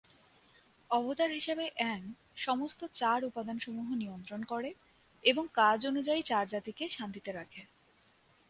অবতার হিসেবে অ্যাং সমস্ত চার উপাদানসমূহ নিয়ন্ত্রণ করে এবং কাজ অনুযায়ী চার জাতিকে শান্তিতে রাখে।